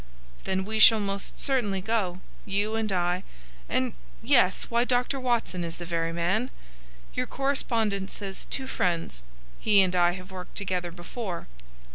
"Then we shall most certainly go. You and I and—yes, why, Dr. Watson is the very man. Your correspondent says two friends. He and I have worked together before."